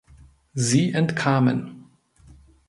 Sie entkamen.